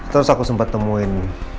terus aku sempet temuin